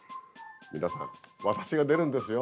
皆さん私が出るんですよ。